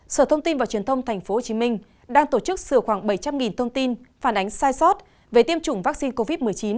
sở thông tin và truyền thông tp hcm đang tổ chức sửa khoảng bảy trăm linh thông tin phản ánh sai sót về tiêm chủng vaccine covid một mươi chín